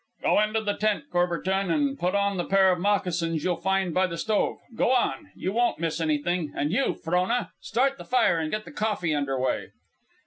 "Go into the tent, Courbertin, and put on the pair of moccasins you'll find by the stove. Go on. You won't miss anything. And you, Frona, start the fire and get the coffee under way."